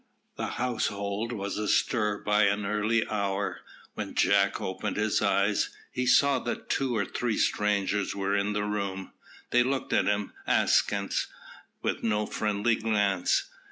The household was astir by an early hour. When Jack opened his eyes, he saw that two or three strangers were in the room. They looked at him askance, with no friendly glance.